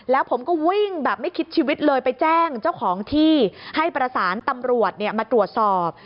แล้วผมก็วิ่งแบบไม่คิดชีวิตเลยไปแจ้งเจ้าของที่ให้ประสานตำรวจมาตรวจสอบ